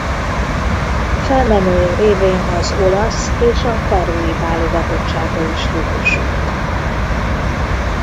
Felmenői révén az olasz és a perui válogatottságra is jogosult.